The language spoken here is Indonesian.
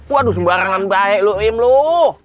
waduh sembarangan baik lo im loh